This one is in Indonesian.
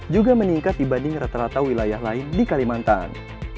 juga meningkat dibanding rata rata wilayah lain di kalimantan